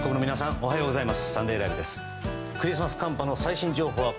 おはようございます。